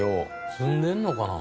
住んでるのかな？